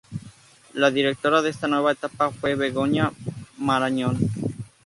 La directora de esta nueva etapa fue Begoña Marañón.